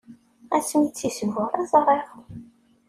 Ass mi i tt-isbur, i ẓriɣ.